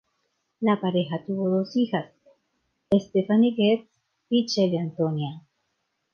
La pareja tuvo dos hijas: Stephanie Guest y Shelly Antonia.